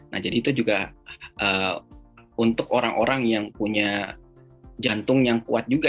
nah jadi itu juga untuk orang orang yang punya jantung yang kuat juga